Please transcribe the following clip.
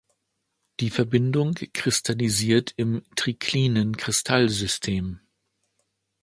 Die Verbindung kristallisiert im triklinen Kristallsystem.